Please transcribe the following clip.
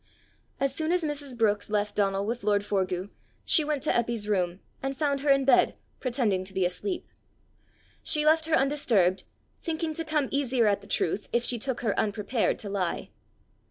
As soon as Mrs. Brookes left Donal with lord Forgue, she went to Eppy's room, and found her in bed, pretending to be asleep. She left her undisturbed, thinking to come easier at the truth if she took her unprepared to lie.